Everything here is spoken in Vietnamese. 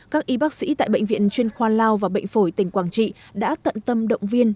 các y bác sĩ tại bệnh viện chuyên khoa lao và bệnh phổi tỉnh quảng trị đã tận tâm động viên